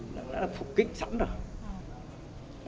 nó đã phục kích sẵn rồi